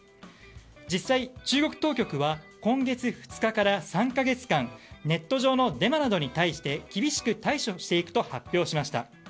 実際、中国当局は今月２日から３か月間ネット上のデマなどに対して厳しく対処していくと発表しました。